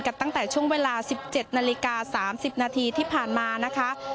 ตั้งแต่ช่วงเวลา๑๗นาฬิกา๓๐นาทีที่ผ่านมานะคะ